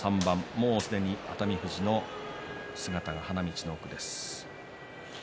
もうすでに熱海富士の姿が花道の奥です。